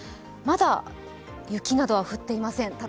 まだ雪などは降っていません。